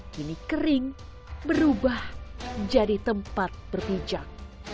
kini kering berubah jadi tempat berpijak